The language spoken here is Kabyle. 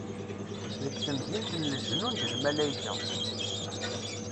Deg temdint n lejnun d lmalayka.